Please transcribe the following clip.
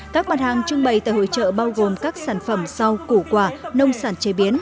các mặt hàng trưng bày tại hội trợ bao gồm các sản phẩm rau củ quả nông sản chế biến